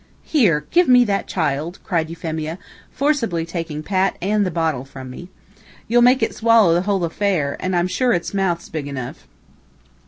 "Here! Give me that child!" cried Euphemia, forcibly taking Pat and the bottle from me. "You'll make it swallow the whole affair, and I'm sure its mouth's big enough."